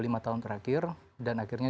lima tahun terakhir dan akhirnya